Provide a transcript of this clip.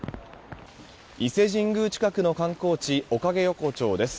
伊勢神宮近くの観光地おかげ横丁です。